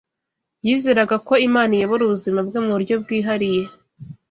Yizeraga ko Imana iyobora ubuzima bwe mu buryo bwihariye